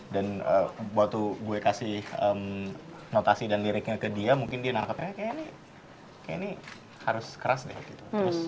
dan waktu gue kasih notasi dan liriknya ke dia mungkin dia narkotiknya kayak ini harus keras deh gitu